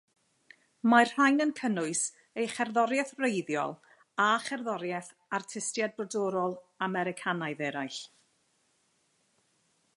Mae'r rhain yn cynnwys ei cherddoriaeth wreiddiol a cherddoriaeth artistiaid Brodorol Americanaidd eraill.